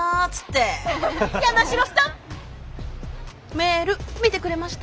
メール見てくれました？